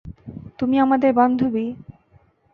তুমি আমাদের বান্ধবী।